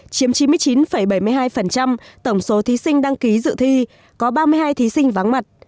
chiếm chín mươi chín bảy mươi hai tổng số thí sinh đăng ký dự thi có ba mươi hai thí sinh vắng mặt